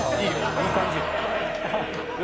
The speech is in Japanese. いい感じよ。